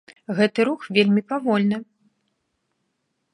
Гэты рух вельмі павольны.